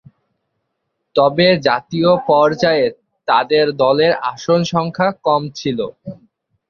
তবে জাতীয় পর্যায়ে তাদের দলের আসন সংখ্যা কম ছিল।